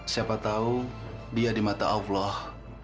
siapa tahu dia di mata allah